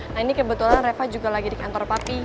nah ini kebetulan reva juga lagi di kantor papi